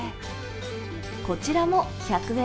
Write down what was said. こちらも１００円。